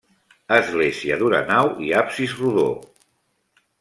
Església d'una nau i absis rodó.